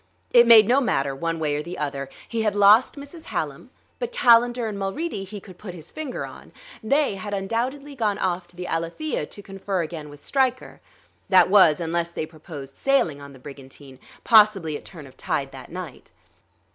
It made no matter, one way or the other; he had lost Mrs. Hallam; but Calendar and Mulready he could put his finger on; they had undoubtedly gone off to the Alethea to confer again with Stryker, that was, unless they proposed sailing on the brigantine, possibly at turn of tide that night.